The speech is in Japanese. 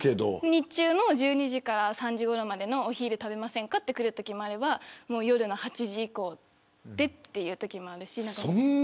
日中も１２時から３時ごろでお昼食べませんかとくるときもあれば夜の８時以降でというときもあるし。